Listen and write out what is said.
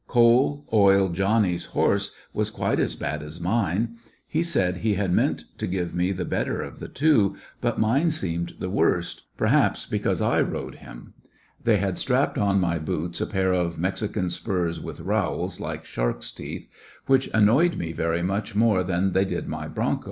Coal oil Johnny's horse was quite as bad as mine. He said he had meant to give toe 56 ^iGsionarY in t^ Great West the better of the two^ but mine seemed the worse— perhaps because I rode him. They had strapped on my boots a pair of Mexican spurs with rowels like sharks' teethj which annoyed me very much more than they did my bronco.